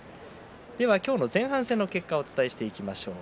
今日の前半戦の結果をお伝えしていきます。